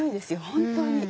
本当に。